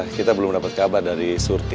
kita belum dapat kabar dari surti